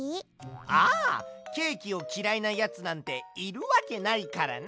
ああケーキをきらいなやつなんているわけないからな！